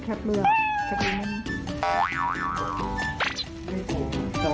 ขยับรถไหมครับ